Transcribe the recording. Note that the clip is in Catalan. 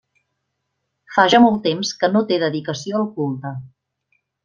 Fa ja molt temps que no té dedicació al culte.